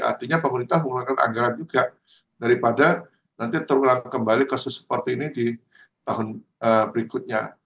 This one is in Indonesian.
artinya pemerintah mengeluarkan anggaran juga daripada nanti terulang kembali kasus seperti ini di tahun berikutnya